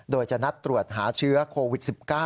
โดยจะนัดตรวจหาเชื้อโควิด๑๙